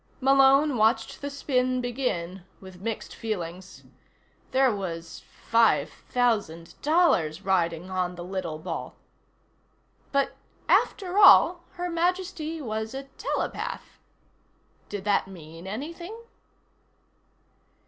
Malone watched the spin begin with mixed feelings. There was five thousand dollars riding on the little ball. But, after all, Her Majesty was a telepath. Did that mean anything?